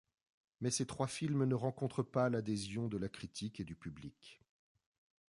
Mais ces trois films ne rencontrent pas l'adhésion de la critique et du public.